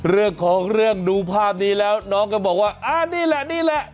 เรื่องของเรื่องดูภาพนี้แล้วน้องก็บอกว่าอ่านี่แหละนี่แหละ